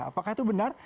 apakah itu benar